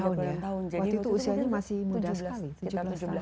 waktu itu usianya masih muda sekali